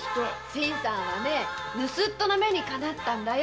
新さんはね盗っ人の眼がねにかなったんだよ。